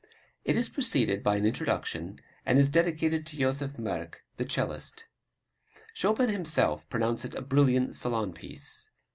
It is preceded by an introduction, and is dedicated to Joseph Merk, the 'cellist. Chopin himself pronounced it a brilliant salon piece.